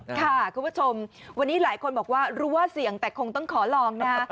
คุณผู้ชมวันนี้หลายคนบอกว่ารู้ว่าเสี่ยงแต่คงต้องขอลองนะ